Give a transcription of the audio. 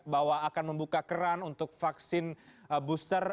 bahwa akan membuka keran untuk vaksin booster